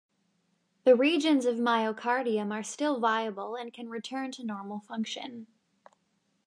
The regions of myocardium are still viable and can return to normal function.